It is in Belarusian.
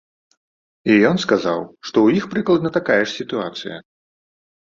І ён сказаў, што ў іх прыкладна такая ж сітуацыя.